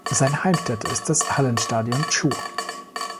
Seine Heimstätte ist das Hallenstadion Chur.